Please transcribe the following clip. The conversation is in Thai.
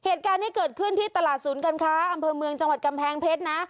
เหตุการณ์ที่เกิดขึ้นที่ตลาดศูนย์การค้าอำเภอเมืองจังหวัดกำแพงเพชรนะ